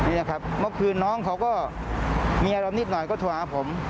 นี่แหละครับเมื่อคืนน้องเขาก็มีอารมณ์นิดหน่อยก็โทรหาผม